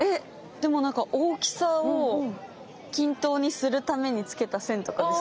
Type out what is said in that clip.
大きさを均等にするためにつけた線とかですか？